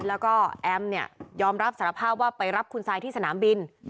แล้วก็แอมเนี่ยยอมรับสารภาพว่าไปรับคุณซายที่สนามบิน